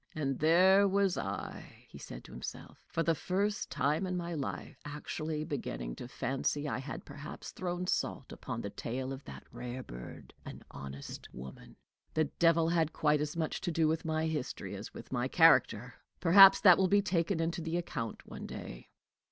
"And there was I," he said to himself, "for the first time in my life, actually beginning to fancy I had perhaps thrown salt upon the tail of that rare bird, an honest woman! The devil has had quite as much to do with my history as with my character! Perhaps that will be taken into the account one day."